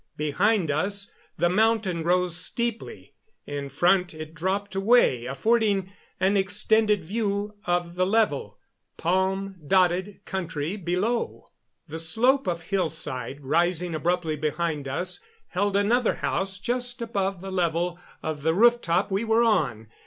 Behind us the mountain rose steeply; in front it dropped away, affording an extended view of the level, palm dotted country below. The slope of hillside rising abruptly behind us held another house just above the level of the rooftop we were on.